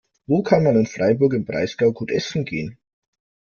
Wo kann man in Freiburg im Breisgau gut essen gehen?